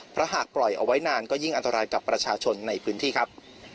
เพราะหากปล่อยเอาไว้นานก็ยิ่งอันตรายกับประชาชนในพื้นที่ครับ